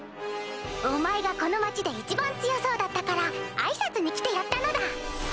お前がこの町で一番強そうだったから挨拶に来てやったのだ！